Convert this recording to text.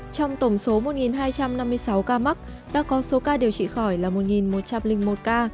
trong tổng số một hai trăm năm mươi sáu ca mắc đã có số ca điều trị khỏi là một một trăm linh một ca